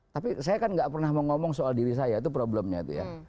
tapi saya kan gak pernah mau ngomong soal diri saya itu problemnya itu ya